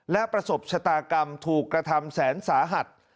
และประสบชะตากรรมถูกกระทำแสนสาหัส